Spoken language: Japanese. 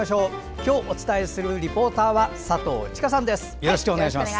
お伝えするリポーターは佐藤千佳さんです。